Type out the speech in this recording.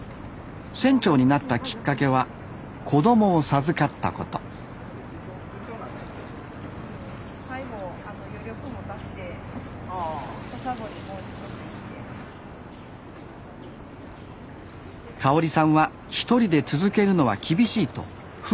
船長になったきっかけは子供を授かったことかおりさんは一人で続けるのは厳しいと舟を手放すつもりでした。